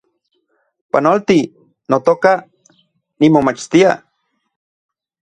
Panolti, notoka, nimomachtia